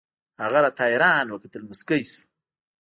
هغه راته حيران وكتل موسكى سو.